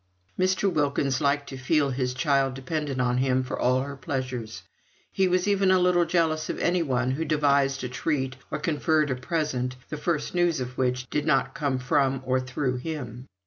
Mr. Wilkins liked to feel his child dependent on him for all her pleasures. He was even a little jealous of anyone who devised a treat or conferred a present, the first news of which did not come from or through him.